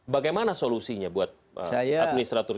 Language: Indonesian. bagaimana solusinya buat administratur jokowi